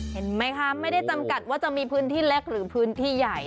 เห็นไหมคะไม่ได้จำกัดว่าจะมีพื้นที่เล็กหรือพื้นที่ใหญ่